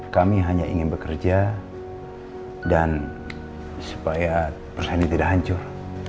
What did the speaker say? kami hanya ingin bekerja dan supaya perusahaan ini tidak hancur